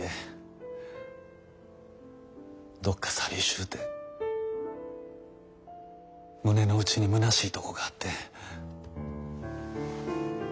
どっか寂しうて胸の内にむなしいとこがあって。